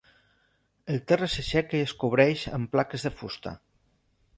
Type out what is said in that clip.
El terra s'aixeca i es cobreix amb plaques de fusta.